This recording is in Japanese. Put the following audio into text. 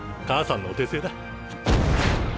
母さんのお手製だ。